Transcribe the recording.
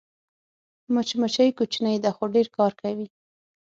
مچمچۍ کوچنۍ ده خو ډېر کار کوي